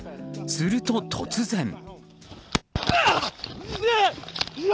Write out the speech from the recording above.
すると、突然。